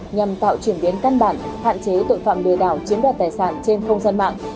nhằm tạo chuyển biến căn bản hạn chế tội phạm lừa đảo chiếm đoạt tài sản trên không gian mạng